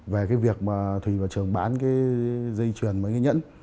về cái việc mà thùy và trường bán cái dây chuyền mấy cái nhẫn